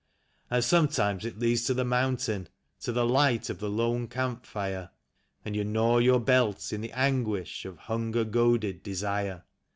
And sometimes it leads to the mountain, to the light of the lone camp fire. And you guaw your belt in the anguish of hunger goaded desire.